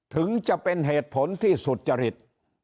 ถึงจะเป็นเหตุผลที่สุจริต